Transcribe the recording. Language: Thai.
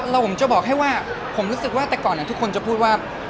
เราผมจะบอกให้ว่าผมรู้สึกว่าแต่ก่อนเนี่ยทุกคนจะพูดว่า